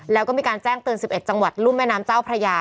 แล้วก็มีการแจ้งเตือน๑๑จังหวัดรุ่มแม่น้ำเจ้าพระยา